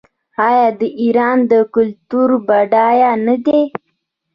آیا د ایران کلتور بډایه نه دی؟